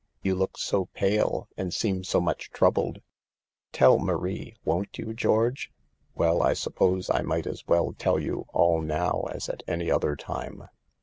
You look so pale and seem so much troubled; tell Marie, won't you, George ?" u Well, I suppose I might as well tell you all now as at any other time.